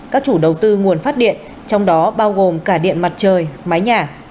các chủ đầu tư nguồn phát điện trong đó bao gồm cả điện mặt trời mái nhà